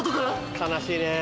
悲しいね。